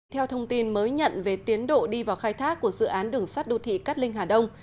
theo thông tin mới nhận về tiến độ đi vào khai thác của dự án đường sắt đô thị cát linh hà đông